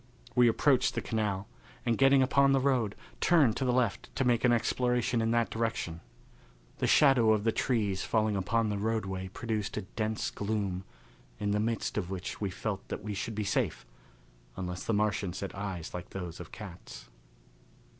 We approached the canal, and, getting upon the road, turned to the left to make an exploration in that direction. The shadow of the trees falling upon the roadway produced a dense gloom, in the midst of which we felt that we should be safe, unless the Martians had eyes like those of cats.